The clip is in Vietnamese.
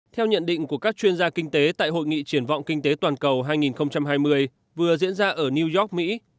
theo nhận định của các chuyên gia kinh tế tại hội nghị triển vọng kinh tế toàn cầu hai nghìn hai mươi vừa diễn ra ở new york mỹ